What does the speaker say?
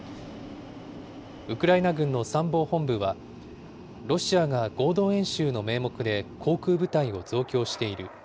ウクライナ軍の参謀本部は、ロシアが合同演習の名目で航空部隊を増強している。